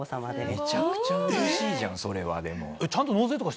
めちゃくちゃ嬉しいじゃんそれはでも。